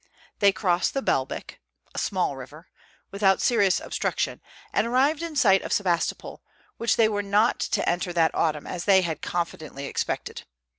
They crossed the Belbec (a small river) without serious obstruction, and arrived in sight of Sebastopol, which they were not to enter that autumn as they had confidently expected.